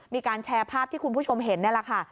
มีการแชร์ภาพที่คุณผู้ชมเห็นนี่แหละค่ะ